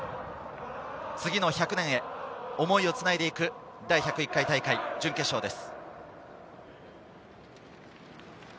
次の１００年へ、思いをつないでいく第１０１回大会準決勝です。